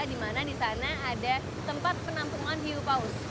di mana di sana ada tempat penampungan hiu paus